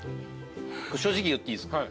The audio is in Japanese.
正直言っていいですか？